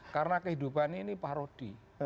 karena kehidupan ini parodi